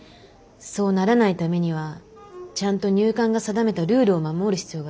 そうならないためにはちゃんと入管が定めたルールを守る必要がある。